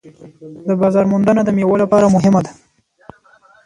د بازار موندنه د میوو لپاره مهمه ده.